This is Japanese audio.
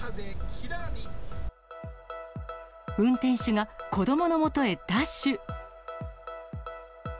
運転手が子どものもとへダッシュ。